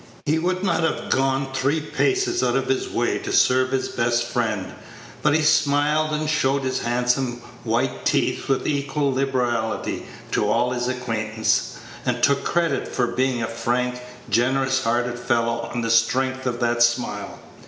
He would not have gone three paces out of his way to serve his best friend; but he smiled and showed his handsome white teeth with equal liberality to all his acquaintance, and took credit for being a frank, generous hearted fellow on the strength of that smile.